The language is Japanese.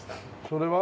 それは？